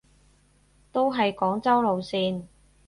都係廣州路線